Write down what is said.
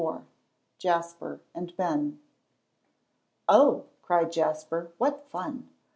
XXIV JASPER AND BEN "Oh," cried Jasper, "what fun!